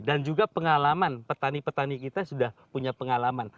dan juga pengalaman petani petani kita sudah punya pengalaman